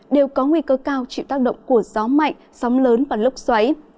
đều có nguy cơ cao chịu tác động của gió mạnh sóng lớn và lốc xoáy